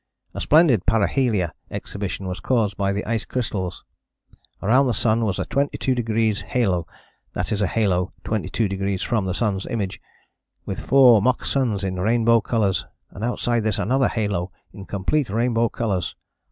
A splendid parhelia exhibition was caused by the ice crystals. Round the sun was a 22° halo [that is a halo 22° from the sun's image], with four mock suns in rainbow colours, and outside this another halo in complete rainbow colours.